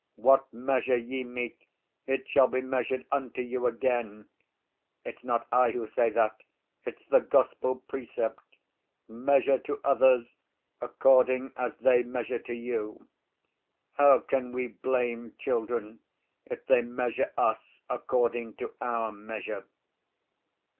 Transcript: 'What measure ye mete it shall be measured unto you again'—it's not I who say that, it's the Gospel precept, measure to others according as they measure to you. How can we blame children if they measure us according to our measure?